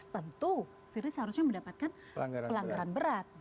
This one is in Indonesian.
tentu firli seharusnya mendapatkan pelanggaran berat